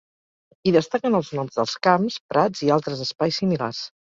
Hi destaquen els noms dels camps, prats i altres espais similars.